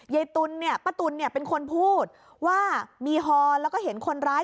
ตุลเนี่ยป้าตุ๋นเนี่ยเป็นคนพูดว่ามีฮอแล้วก็เห็นคนร้าย